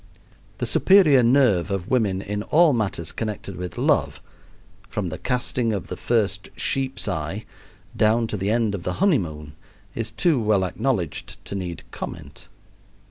The superior nerve of women in all matters connected with love, from the casting of the first sheep's eye down to the end of the honeymoon, is too well acknowledged to need comment.